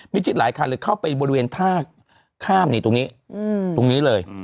จิตหลายคันเลยเข้าไปบริเวณท่าข้ามนี่ตรงนี้ตรงนี้เลย